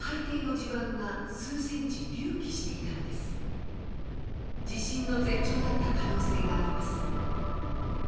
地震の前兆だった可能性があります。